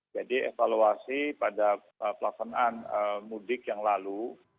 jadi evaluasi pada pelaksanaan mudik yang lalu